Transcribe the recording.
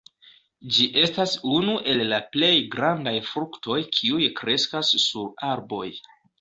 Ĝi estas unu el la plej grandaj fruktoj kiuj kreskas sur arboj.